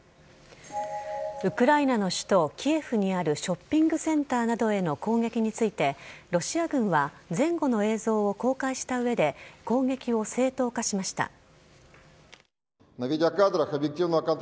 ウクライナの首都キエフにあるショッピングセンターなどへの攻撃について、ロシア軍は前後の映像を公開したうえで、攻撃を正当化しました。